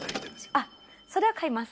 あっそれは買います